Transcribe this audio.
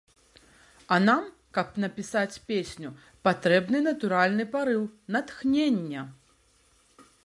А нам, каб напісаць песню, патрэбны натуральны парыў, натхненне.